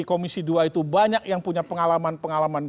komisi dua itu banyak yang punya pengalaman pengalaman